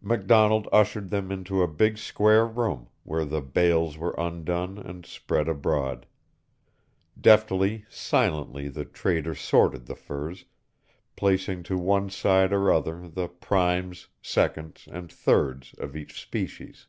McDonald ushered them into a big square room, where the bales were undone and spread abroad. Deftly, silently the Trader sorted the furs, placing to one side or the other the "primes," "seconds," and "thirds" of each species.